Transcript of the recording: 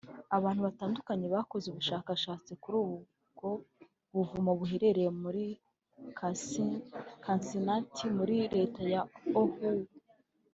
Abantu batandukanye bakoze ubushakashatsi kuri ubwo buvumo buherereye mu ka Cincinnati muri Leta ya Ohio